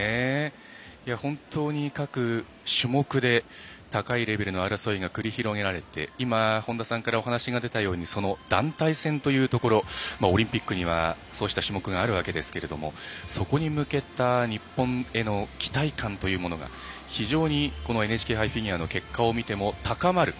本当に各種目で高いレベルの争いが繰り広げられて今、本田さんからお話が出たようにその団体戦というところオリンピックにはそうした種目があるわけですがそこに向けた日本への期待感というものが非常にこのＮＨＫ杯フィギュアの結果を見ても高まる。